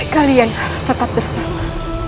kalian harus tetap bersama